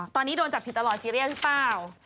ตอนนี้โดนจับผิดตลอดซีเรียสหรือเปล่า